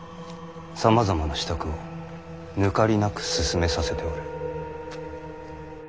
さまざまな支度をぬかりなく進めさせておる。